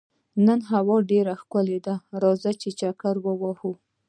نن هوا ډېره ښکلې ده، راځه چې چکر ووهو.